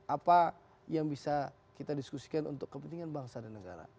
apa yang bisa kita diskusikan untuk kepentingan bangsa dan negara